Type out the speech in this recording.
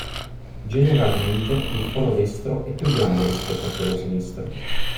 Generalmente il foro destro è più grande rispetto a quello sinistro.